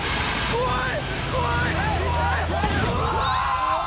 怖い！